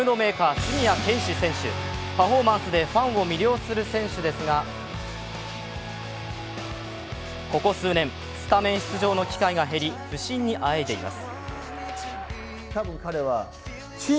杉谷拳士選手、パフォーマンスでファンを魅了する選手ですが、ここ数年スタメン出場の機会が減り、不振にあえいでいます。